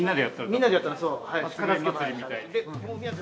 みんなでやったらそう。